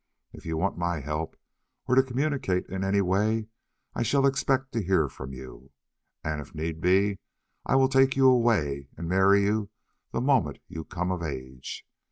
If you want my help or to communicate in any way, I shall expect to hear from you, and if need be, I will take you away and marry you the moment you come of age.